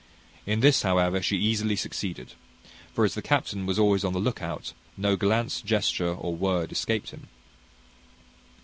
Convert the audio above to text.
In this, however, she easily succeeded; for as the captain was always on the look out, no glance, gesture, or word escaped him.